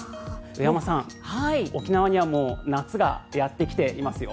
上山さん、沖縄にはもう夏がやってきていますよ。